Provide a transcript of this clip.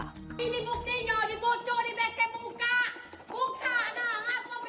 ini buktinya dibocor dibesek buka buka nah ngapain mungkin ditangkapin